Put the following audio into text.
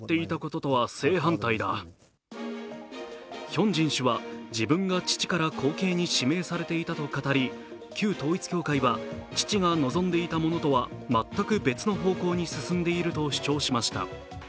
ヒョンジン氏は自分が父から後継に指名されていたと語り旧統一教会は父が望んでいたものとは全く別の方向に進んでいると主張しました。